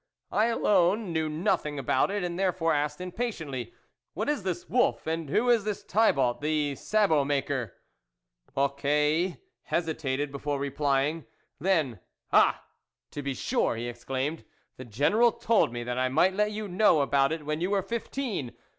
I, alone, knew nothing about it, and therefore asked impatiently, " What is this wolf, and who is this Thibault, the sabot maker ?" Mocquet hesitated before replying, then, " Ah ! to be sure !" he exclaimed, " the General told me that I might let you know about it when you were fifteen.